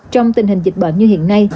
trong tình hình dịch bệnh như hiện nay